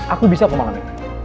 aku bisa ke malam ini